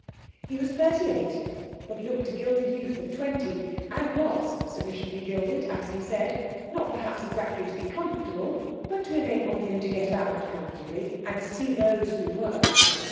He was thirty eight, but looked a gilded youth of twenty; and was sufficiently gilded (as he said), not perhaps exactly to be comfortable, but to enable him to get about comfortably, and see those who were.